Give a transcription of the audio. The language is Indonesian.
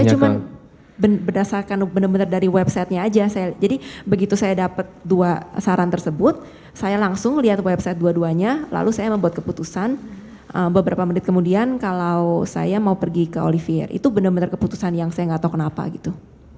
cuma berdasarkan benar benar dari websitenya aja jadi begitu saya dapat dua saran tersebut saya langsung lihat website dua duanya lalu saya membuat keputusan beberapa menit kemudian kalau saya mau pergi ke olivier itu benar benar keputusan yang saya nggak tahu kenapa gitu